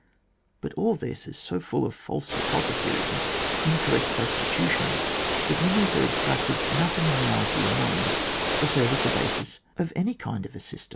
But all this is so full of false hypo theses and incorrect substitutions, tnat when these are abstracted, nothing in reality remains to serve as the basis of any kind of a system.